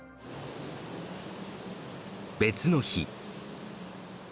別の日。